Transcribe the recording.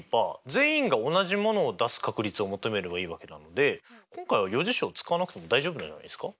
全員が同じものを出す確率を求めればいいわけなので今回は余事象使わなくても大丈夫じゃないですか？